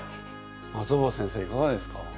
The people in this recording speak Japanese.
松尾葉先生いかがですか？